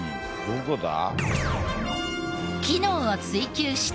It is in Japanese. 「どこだ？」